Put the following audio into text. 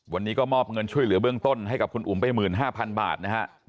วันนี้ก็มอบเงินช่วยเหลือเบื้องต้นให้กับคุณอุ๋มไป๑๕๐๐๐บาทนะครับ